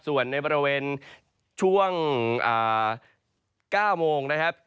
ส่วนในบริเวณช่วง๙โมงนะครับ